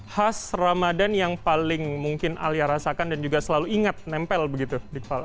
khas ramadan yang paling mungkin alia rasakan dan juga selalu ingat nempel begitu dikval